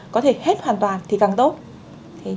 có thể hết hoàn toàn thì càng tốt